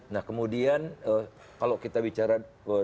nah kemudian kalau kita bicara